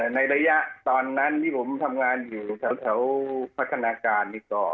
ในระยะตอนนั้นที่ผมทำงานอยู่แถวพัฒนาการนี่ก็